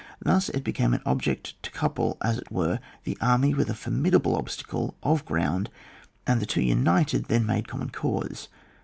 Thus it became an object to couple, as it were, the army with a formidable obstacle of ground, and the two imited then made common cause.